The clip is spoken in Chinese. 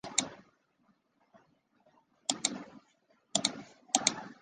法氏口虾蛄为虾蛄科口虾蛄属下的一个种。